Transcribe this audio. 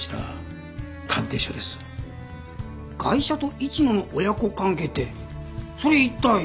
ガイシャと市野の親子関係ってそれ一体？